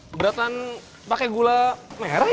beratan pakai gula merah ya